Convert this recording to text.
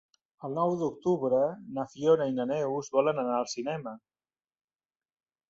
El nou d'octubre na Fiona i na Neus volen anar al cinema.